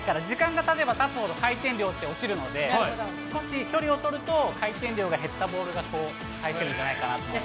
時間がたてばたつほど回転量っておちるので少し距離を取ると、回転量が減ったボールが返せるんじゃないかなと。